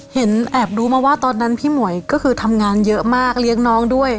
เห็นแอบรู้มาว่าตอนนั้นพี่หมวยก็คือทำงานเยอะมากเลี้ยงน้องด้วย